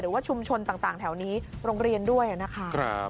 หรือว่าชุมชนต่างแถวนี้โรงเรียนด้วยนะคะ